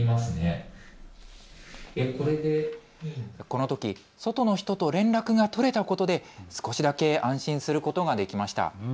このとき外の人と連絡が取れたことで少しだけ安心することができました。